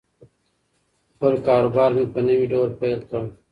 خپل کاروبار مې په نوي ډول پیل کړ.